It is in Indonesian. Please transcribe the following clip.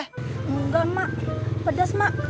enggak mak pedas mak